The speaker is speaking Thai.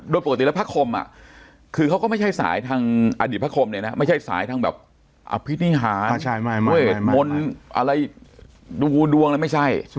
โดยปกติแนวภาคคลุมอ่ะคือมันก็ไม่ใช่สายอดีตภาคคลมนี้นะไม่ใช่สายเอาล่ะแบบภิทธิหารเอาล่ะแบบเมนอาทิตย์จรกดวงเลยนะไม่ใช่